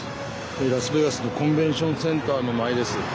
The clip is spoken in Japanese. ラスベガスのコンベンションセンターの前です。